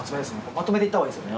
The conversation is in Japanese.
まとめていったほうがいいですよね？